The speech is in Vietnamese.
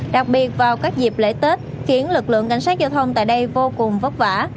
đặc biệt vào các dịp lễ tết khiến lực lượng cảnh sát giao thông tại đây vô cùng vất vả